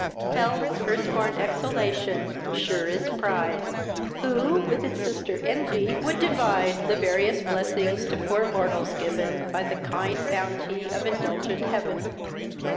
Hell's first born exhalation sure is pride! Who, with its sister, envy, would divide The various blessings to poor mortals given. By the kind bounty of indulgent heaven.